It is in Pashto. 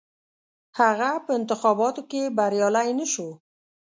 هغه په انتخاباتو کې بریالی نه شو.